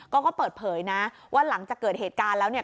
ก็เปิดเผยนะว่าหลังจากเกิดเหตุการณ์แล้วเนี่ย